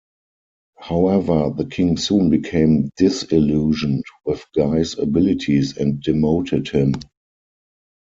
However, the king soon became disillusioned with Guy's abilities and demoted him.